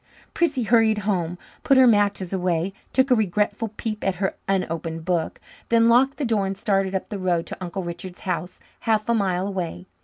Prissy hurried home, put her matches away, took a regretful peep at her unopened book, then locked the door and started up the road to Uncle Richard's house half a mile away.